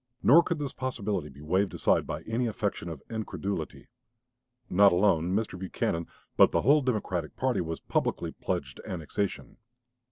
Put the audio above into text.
Nor could this possibility be waved aside by any affectation of incredulity. Not alone Mr. Buchanan but the whole Democratic party was publicly pledged to annexation.